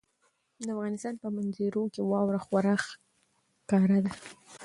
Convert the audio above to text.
د افغانستان په منظره کې واوره خورا ښکاره ده.